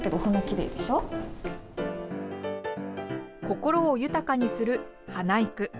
心を豊かにする、花育。